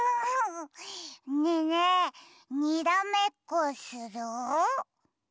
ねえねえにらめっこする？